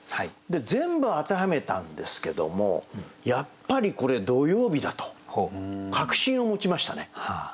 全部当てはめたんですけどもやっぱりこれ土曜日だと確信を持ちましたね。